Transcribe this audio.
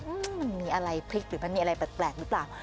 มันมีอะไรพลิกหรือมันมีอะไรแปลกหรือเปล่า